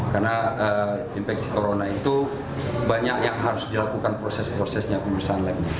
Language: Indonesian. karena infeksi corona itu banyak yang harus dilakukan proses prosesnya penyelesaian lab